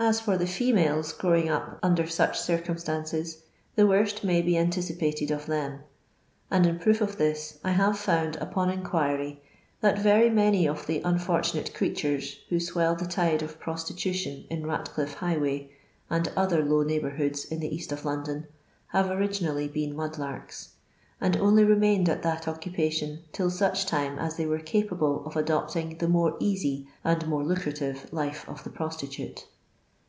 As for the females growing up under such circumstances, the worst may be anticipated of them ; and in proof of this I have found, upon inquiry, that very many of the unfortunate creatures who swell the tide of prosti tution in Batcliff high way, and other low neiffh bourhoods in the East of London, have originally been mud lar^s ; and only remained at that occu pation till such time as they were capable of adopting the more easy and more lucrative lift of the prostitute.